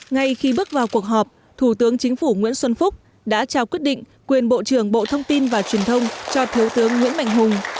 ngay khi bước vào cuộc họp thủ tướng chính phủ nguyễn xuân phúc đã trao quyết định quyền bộ trưởng bộ thông tin và truyền thông cho thiếu tướng nguyễn mạnh hùng